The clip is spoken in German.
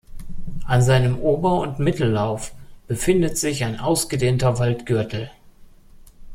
An seinem Ober- und Mittellauf befindet sich ein ausgedehnter Waldgürtel.